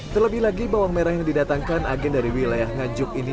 terlebih lagi bawang merah yang didatangkan agen dari wilayah nganjuk ini